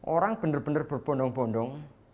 orang benar benar berbondong bondong